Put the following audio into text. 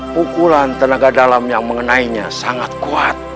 pukulan tenaga dalam yang mengenainya sangat kuat